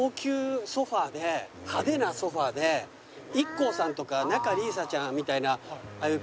派手なソファでＩＫＫＯさんとか仲里依紗ちゃんみたいなああいう